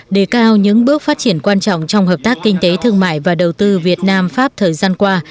đề cao những bước phát triển quan trọng trong hợp tác kinh tế thương mại và đầu tư việt nam pháp thời gian qua